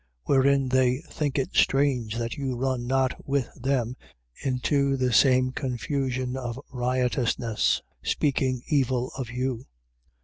4:4. Wherein they think it strange that you run not with them into the same confusion of riotousness: speaking evil of you.